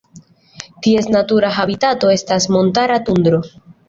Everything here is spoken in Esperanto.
Ties natura habitato estas montara tundro.